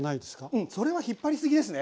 うんそれは引っ張りすぎですね